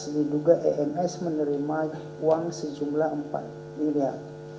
diduga ems menerima uang sejumlah empat miliar